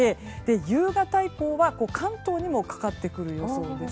夕方以降は、関東にもかかってくる予想です。